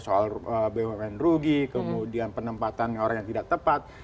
soal bumn rugi kemudian penempatan orang yang tidak tepat